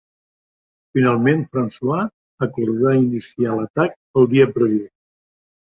Finalment François acordà iniciar l'atac el dia previst.